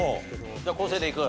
じゃあ昴生でいく？